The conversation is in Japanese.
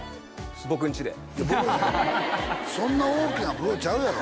僕んちでそんな大きな風呂ちゃうやろ？